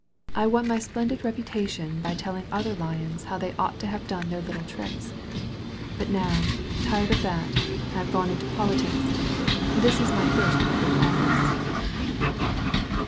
I won my splendid reputation by telling other Lions how they ought to have done their little tricks. But now» tired of that> I have gone into politics. This is my first public oflSce."